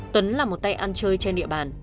tuấn là một tay ăn chơi trên địa bàn